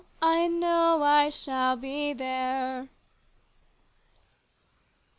I know I shall be there.